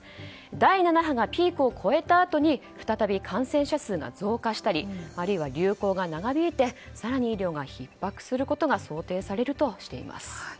第７波がピークを超えたあとに再び感染者数が増加したりあるいは流行が長引いて更に医療がひっ迫することが想定されるとしています。